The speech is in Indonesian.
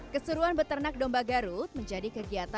keseruan beternak domba garut menjadi kegiatan